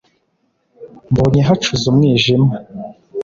mbonye hacuze umwijima!